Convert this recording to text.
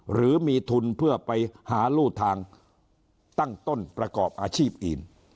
หรือมีทุนเพื่อไปหารู่ทางตั้งต้นประกอบอาชีพอื่น